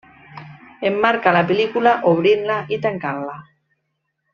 Emmarca la pel·lícula, obrint-la i tancant-la.